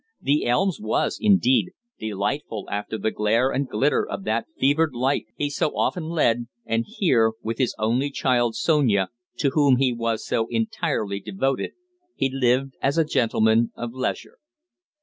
The Elms was, indeed, delightful after the glare and glitter of that fevered life he so often led, and here, with his only child, Sonia, to whom he was so entirely devoted, he lived as a gentleman of leisure.